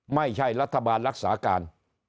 ไม่ใช่รัฐบาลรักษาการ